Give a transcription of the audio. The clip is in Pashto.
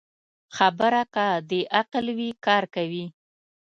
خبره که د عقل وي، کار کوي